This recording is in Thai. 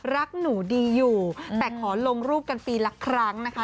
รักหนูดีอยู่แต่ขอลงรูปกันปีละครั้งนะคะ